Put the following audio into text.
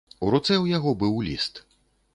У руцэ ў яго быў ліст.